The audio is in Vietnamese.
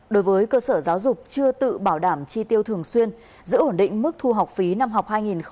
đối với cơ sở giáo dục chưa tự bảo đảm chi tiêu thường xuyên giữ ổn định mức thu học phí năm học hai nghìn hai mươi hai nghìn hai mươi